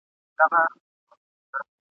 د خپلي خوښی سره سم ..